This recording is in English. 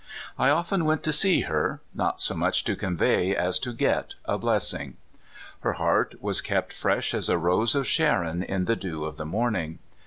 I often went to see her, not so much to convey as to get a blessing. Her heart was kept fresh as a rose of Sharon in the dew of the morning.